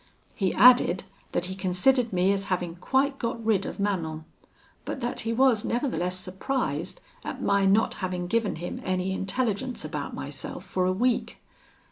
He added, that he considered me as having quite got rid of Manon; but that he was nevertheless surprised at my not having given him any intelligence about myself for a week.